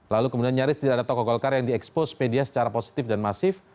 lalu kemudian nyaris tidak ada tokoh golkar yang diekspos media secara positif dan masif